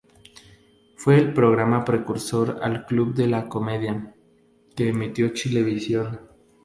Fue el programa precursor al Club de la Comedia, que emitió Chilevisión.